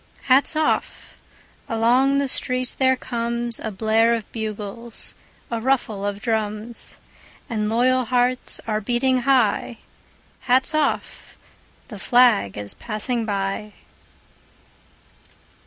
Hats off! Along the street there comesA blare of bugles, a ruffle of drums; And loyal hearts are beating high:Hats off! The flag is passing by!